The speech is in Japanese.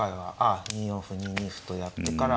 あ２四歩２二歩とやってから。